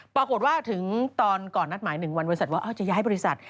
ปรากฏว่าถึงตอนก่อนนัดหมาย๑วันบริษัทว่าจะย้ายบริษัท